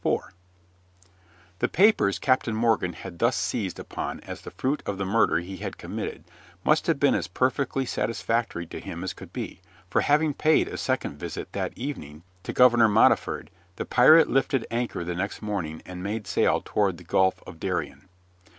IV The papers Captain Morgan had thus seized upon as the fruit of the murder he had committed must have been as perfectly satisfactory to him as could be, for having paid a second visit that evening to Governor Modiford, the pirate lifted anchor the next morning and made sail toward the Gulf of Darien.